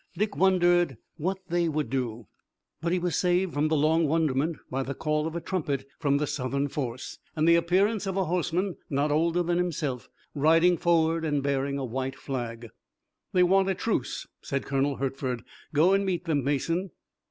Dick wondered what they would do, but he was saved from long wonderment by the call of a trumpet from the Southern force, and the appearance of a horseman not older than himself riding forward and bearing a white flag. "They want a truce," said Colonel Hertford. "Go and meet them, Mason."